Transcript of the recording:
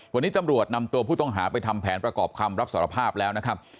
วันนี้ตำรวจนำตัวผู้ต้องหาไปทำแผนประกอบคำรับสารภาพแล้วนะครับ